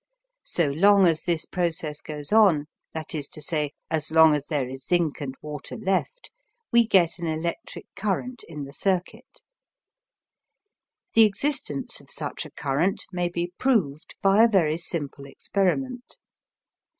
So long as this process goes on, that is to say, as long as there is zinc and water left, we get an electric current in the circuit. The existence of such a current may be proved by a very simple experiment.